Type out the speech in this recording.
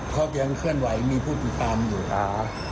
ก็ยังเคลื่อนไหวมีผู้ติดตามอยู่อ่า